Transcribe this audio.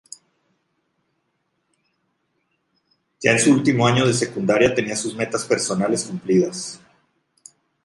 Ya en su último año de secundaria tenía sus metas personales cumplidas.